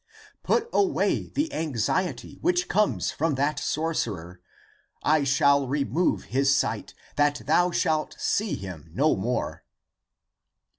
Put away the anxiety which comes from that sorcerer. I shall remove his sight, that thou shalt see him no more."